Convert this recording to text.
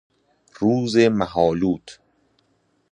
روز مهآلود